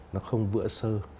nó không vỡ sơ